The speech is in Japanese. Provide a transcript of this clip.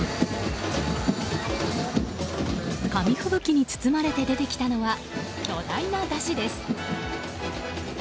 紙ふぶきに包まれて出てきたのは巨大な山車です。